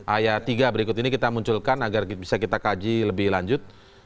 ayat tiga berikut ini kita munculkan agar bisa kita kaji lebih lanjut